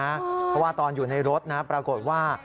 เพราะว่าตอนอยู่ในรถนะปรากฏว่า